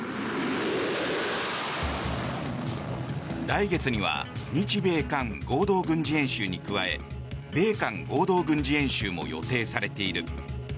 来月には日米韓合同軍事演習に加え米韓合同軍事演習も予定されている。